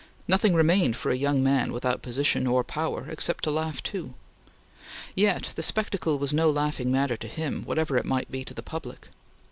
Nothing remained for a young man without position or power except to laugh too. Yet the spectacle was no laughing matter to him, whatever it might be to the public.